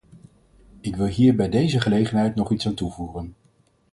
Ik wil hier bij deze gelegenheid nog iets aan toevoegen.